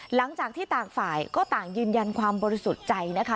หลังจากที่ต่างฝ่ายก็ต่างยืนยันความบริสุทธิ์ใจนะคะ